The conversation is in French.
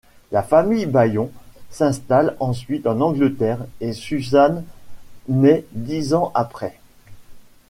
La famille Ballion s'installe ensuite en Angleterre et Susan naît dix ans après.